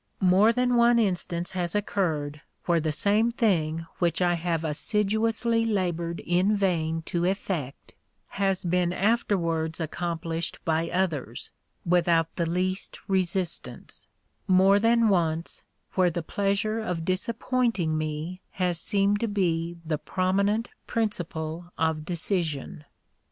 More than one instance has occurred where the same thing which I have assiduously labored in vain to effect has been afterwards accomplished by others, without the least resistance; more than once, where the pleasure of disappointing me has seemed to be the prominent principle of decision.